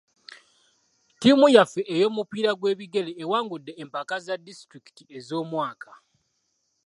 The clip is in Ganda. Ttiimu yaffe ey'omupiira gw'ebigere ewangudde empaka za disitulikiti ez'omwaka.